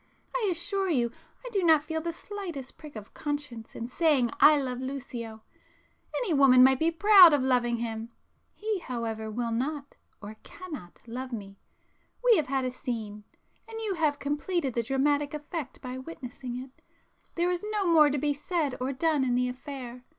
I assure you I do not feel the slightest prick of conscience in saying I love Lucio,—any woman might be proud of loving him;—he, however, will not, or cannot love me,—we have had a 'scene,' and you have completed the dramatic effect by witnessing it,—there is no more to be said or done in the affair.